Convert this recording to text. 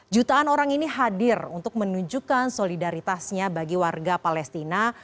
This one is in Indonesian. jutaan orang ini hadir untuk menunjukkan solidaritasnya bagi warga palestina